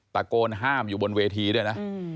ตะโกนห้ามอยู่บนเวทีด้วยนะ